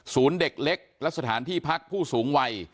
เด็กเล็กและสถานที่พักผู้สูงวัย